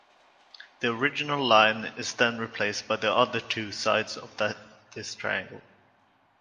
The original line is then replaced by the other two sides of this triangle.